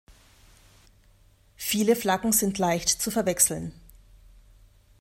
Viele Flaggen sind leicht zu verwechseln.